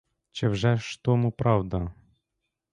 Чи вже ж тому правда?